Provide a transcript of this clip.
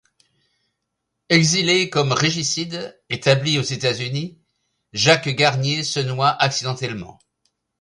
Exilé comme régicide, établi aux États-Unis, Jacques Garnier se noie accidentellement.